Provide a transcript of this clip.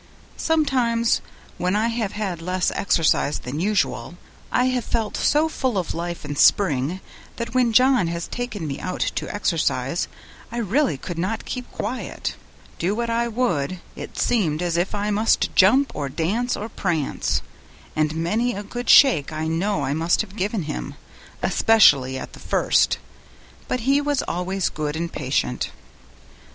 Sometimes, when I have had less exercise than usual, I have felt so full of life and spring that when John has taken me out to exercise I really could not keep quiet; do what I would, it seemed as if I must jump, or dance, or prance, and many a good shake I know I must have given him, especially at the first; but he was always good and patient.